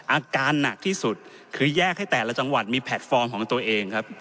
อาการหนักที่สุดคือแยกให้แต่ละจังหวัดมีแพลตฟอร์มของตัวเองครับ